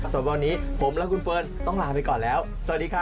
ส่วนวันนี้ผมและคุณเฟิร์นต้องลาไปก่อนแล้วสวัสดีครับ